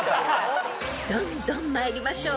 ［どんどん参りましょう］